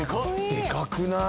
でかくない？